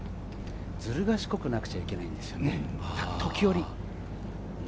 ずるがしこくなくちゃいけないんですよ、時折。